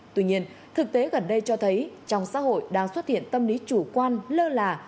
tuy nhiên thực tế gần đây cho thấy trong xã hội đang xuất hiện tâm lý chủ quan lơ là